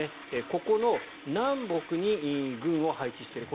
ここの南北に軍を配置している。